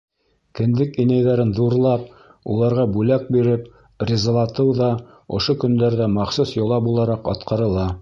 Кендек инәйҙәрен ҙурлап, уларға бүләк биреп ризалатыу ҙа ошо көндәрҙә махсус йола булараҡ атҡарыла.